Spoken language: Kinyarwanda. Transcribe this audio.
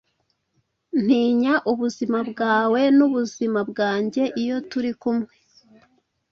ntinya ubuzima bwawe nubuzima bwanjye iyo turi kumwe.